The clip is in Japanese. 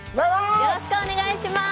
よろしくお願いします。